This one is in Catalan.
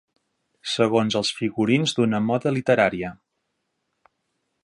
Segons els figurins d'una moda literària.